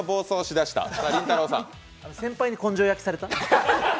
先輩に根性焼された。